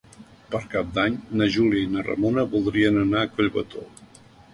Per Cap d'Any na Júlia i na Ramona voldrien anar a Collbató.